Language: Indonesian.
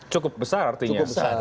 cukup besar artinya